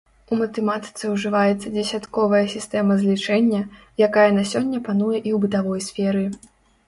У матэматыцы ўжываецца дзесятковая сістэма злічэння, якая на сёння пануе і ў бытавой сферы.